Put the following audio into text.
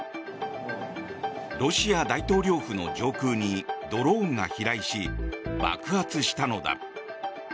ロシア大統領府の上空にドローンが飛来し爆発したのだ。